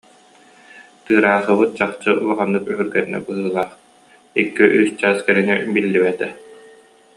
Тыыраахыбыт чахчы улаханнык өһүргэннэ быһыылаах, икки-үс чаас кэриҥэ биллибэтэ